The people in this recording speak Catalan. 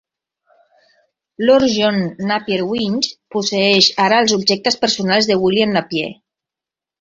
Lord John Napier-Winch posseeix ara els objectes personals de William Napier.